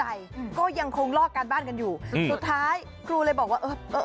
เออเออเออเออเออเออเออเออเออเออเออเออเออเออเออเออเออเออ